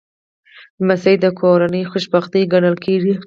لمسی د کورنۍ خوشبختي ګڼل کېږي.